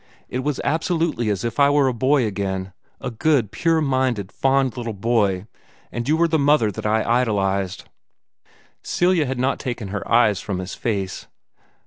It was absolutely as if I were a boy again, a good, pure minded, fond little child, and you were the mother that I idolized." Celia had not taken her eyes from his face.